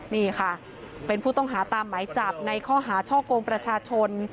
นี่ค่ะเป็นผู้ต้องหาตามหมายจับในข้อหาช่อกงประชาชน